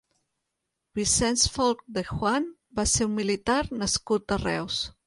Vicenç Folch de Juan va ser un militar nascut a Reus.